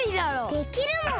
できるもん！